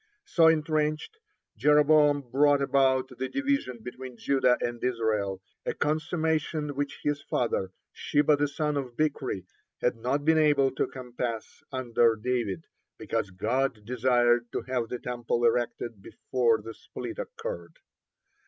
(9) So entrenched, Jeroboam brought about the division between Judah and Israel, a consummation which his father, Sheba the son of Bichri, had not been able to compass under David, because God desired to have the Temple erected before the split occurred.